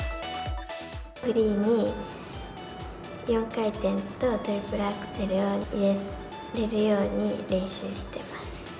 フリーに４回転とトリプルアクセルを入れられるように練習しています。